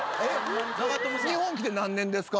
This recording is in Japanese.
日本来て何年ですか？